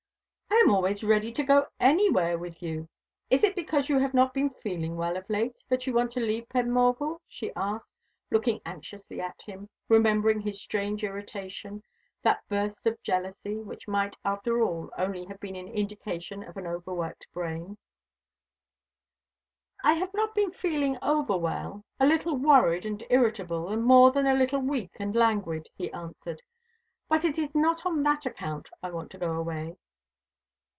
"I am always ready to go anywhere with you. Is it because you have not been feeling well of late that you want to leave Penmorval?" she asked, looking anxiously at him, remembering his strange irritation, that burst of jealousy, which might be after all only the indication of an overworked brain. "I have not been feeling over well a little worried and irritable, and more than a little weak and languid," he answered. "But it is not on that account I want to go away.